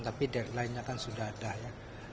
tapi deadline nya kan sudah ada ya